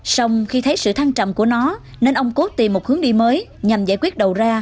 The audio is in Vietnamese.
xong khi thấy sự thăng trầm của nó nên ông cốt tìm một hướng đi mới nhằm giải quyết đầu ra